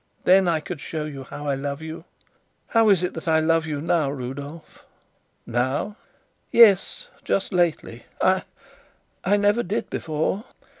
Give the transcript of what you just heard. Then I could show you how I love you! How is it that I love you now, Rudolf?" "Now?" "Yes just lately. I I never did before."